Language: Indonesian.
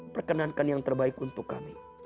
perkenankan yang terbaik untuk kami